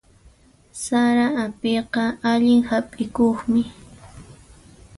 Sara apiqa allin hap'ikuqmi.